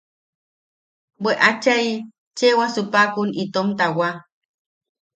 –¡Bwe achai! Cheewasu paʼakun itom tawa.